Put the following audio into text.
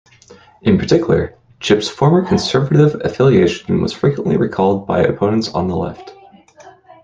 In particular, Chipp's former conservative affiliation was frequently recalled by opponents on the left.